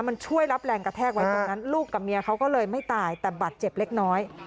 มันช่วยรับแรงกระแทกไว้ตรงนั้นลูกกับเมียเขาก็เลยไม่ตายแต่บัตรเจ็บเล็กน้อย